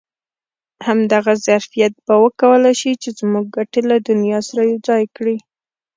همدغه ظرفیت به وکولای شي چې زموږ ګټې له دنیا سره یو ځای کړي.